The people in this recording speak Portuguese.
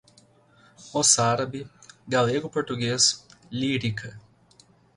moçarábe, galego-português, lírica